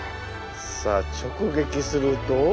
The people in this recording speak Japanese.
さあ直撃すると。